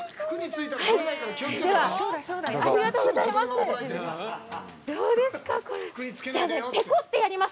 では、ありがとうございます。